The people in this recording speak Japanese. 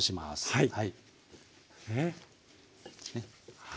はい。